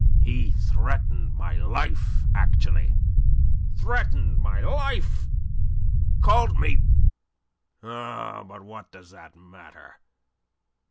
He threatened my life actually. Threatened my life! Called me... Oh, but what does that matter?